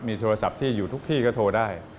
มีโทรศัพท์ที่อยู่ทุกที่ก็โทรได้